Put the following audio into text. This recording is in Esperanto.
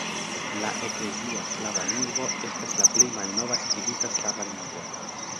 La eklezia slava lingvo estas la plej malnova skribita slava lingvo.